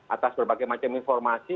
atas berbagai macam informasi